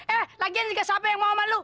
eh lagian siapa yang mau sama lu